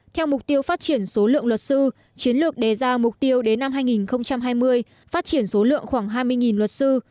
theo mục tiêu phát triển số lượng luật sư chiến lược đề ra mục tiêu đến năm hai nghìn hai mươi phát triển số lượng khoảng hai mươi luật sư